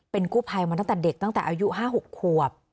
กู้ภัยมาตั้งแต่เด็กตั้งแต่อายุ๕๖ขวบ